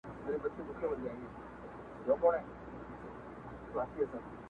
ټول جهان له ما ودان دی نه ورکېږم،